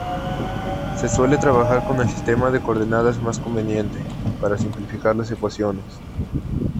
Se suele trabajar con el sistema de coordenadas más conveniente, para simplificar las ecuaciones.